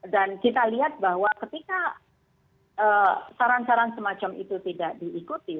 dan kita lihat bahwa ketika saran saran semacam itu tidak diikuti